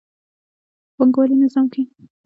په پانګوالي نظام کې ځمکوال یوازې د یوې برخې مالکان دي